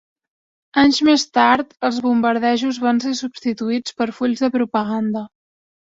Anys més tard, els bombardejos van ser substituïts per fulls de propaganda.